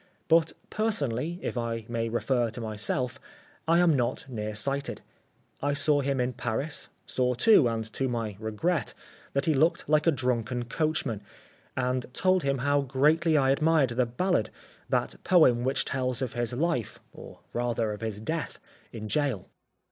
But personally, if I may refer to myself, I am not near sighted. I saw him in Paris, saw too, and to my regret, that he looked like a drunken coachman, and told him how greatly I admired the "Ballad," that poem which tells of his life, or rather of his death, in jail.